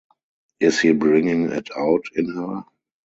Is he bringing it out in her?